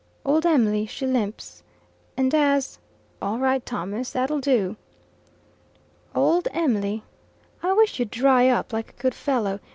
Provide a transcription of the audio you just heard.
"'Old Em'ly she limps, And as '" "All right, Thomas. That'll do." "Old Em'ly '" "I wish you'd dry up, like a good fellow.